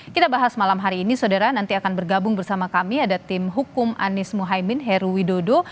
kita bahas malam hari ini saudara nanti akan bergabung bersama kami ada tim hukum anies mohaimin heru widodo